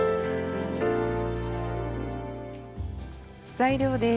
材料です。